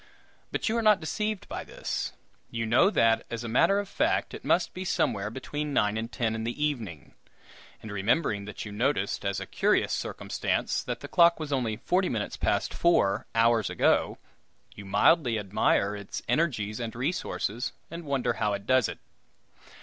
But you are not deceived by this. You know that, as a matter of fact, it must be somewhere between nine and ten in the evening; and, remembering that you noticed, as a curious circumstance, that the clock was only forty minutes past four, hours ago, you mildly admire its energies and resources, and wonder how it does it.